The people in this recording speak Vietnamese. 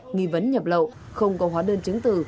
nghi vấn nhập lậu không có hóa đơn chứng từ